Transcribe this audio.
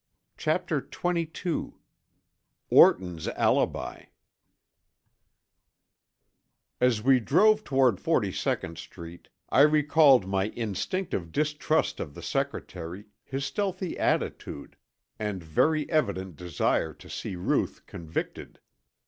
CHAPTER XXII ORTON'S ALIBI As we drove toward Forty second Street, I recalled my instinctive distrust of the secretary, his stealthy attitude, and very evident desire to see Ruth convicted.